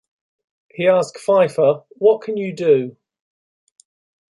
He asked Feiffer, What can you do?